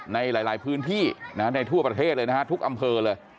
ในหลายพื้นที่ในทั่วประเทศเลยนะฮะทุกอำเภอเลย